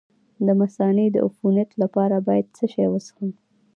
د مثانې د عفونت لپاره باید څه شی وڅښم؟